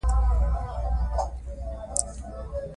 که هغوی مرسته ترلاسه نکړي نو حالت به خراب شي.